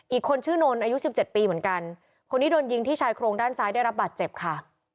อีกคนชื่อนนท์อายุสิบเจ็ดปีเหมือนกันคนนี้โดนยิงที่ชายโครงด้านซ้ายได้รับบาดเจ็บค่ะ